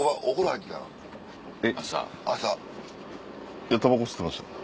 いやたばこ吸ってました。